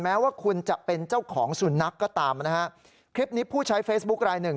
แม้ว่าคุณจะเป็นเจ้าของสุนัขก็ตามนะฮะคลิปนี้ผู้ใช้เฟซบุ๊คลายหนึ่ง